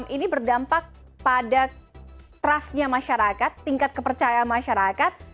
ini berdampak pada trust nya masyarakat tingkat kepercayaan masyarakat